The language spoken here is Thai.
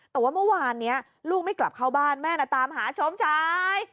แต่ว่าเมื่อวานนี้ลูกไม่กลับเข้าบ้านแม่น่ะตามหาชมชาย